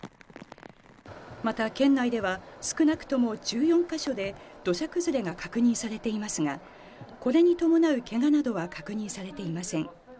また県内では少なくとも１４ヶ所で土砂崩れが確認されていますが、これに伴うけがなどは確認されていません。